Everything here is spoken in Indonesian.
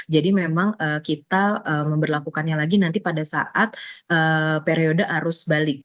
jadi memang kita memperlakukannya lagi nanti pada saat periode arus balik